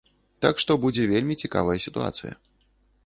Так што будзе вельмі цікавая сітуацыя.